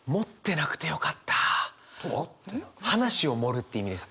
話を盛るっていう意味です。